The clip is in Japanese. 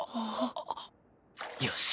よし。